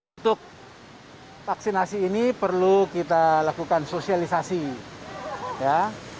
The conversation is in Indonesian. untuk vaksinasi ini perlu kita lakukan sosialisasi ya